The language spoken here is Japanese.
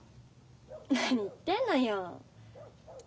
何言ってんのよ。